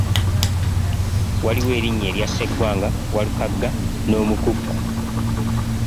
Waliyo erinnya erya sseggwanga, Walukagga n'omukukku.